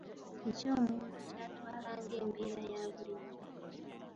Kiki omuntu ky'atwala ng'embeera ya bulijjo.